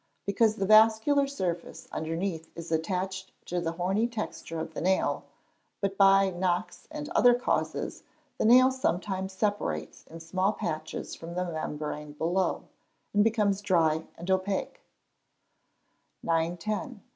_ Because the vascular surface underneath is attached to the horny texture of the nail; but by knocks and other causes, the nail sometimes separates in small patches from the membrane below, and becomes dry and opaque. 910.